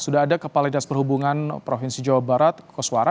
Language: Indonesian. sudah ada kepala dinas perhubungan provinsi jawa barat koswara